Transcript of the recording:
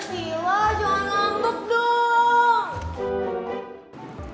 sila jangan ngantuk dong